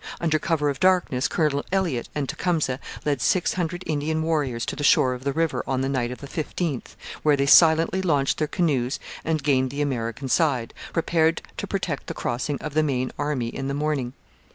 Under cover of darkness Colonel Elliott and Tecumseh led six hundred Indian warriors to the shore of the river on the night of the 15th, where they silently launched their canoes and gained the American side, prepared to protect the crossing of the main army in the morning.